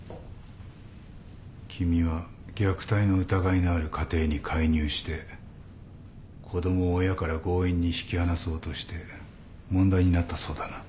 君は虐待の疑いのある家庭に介入して子供を親から強引に引き離そうとして問題になったそうだな。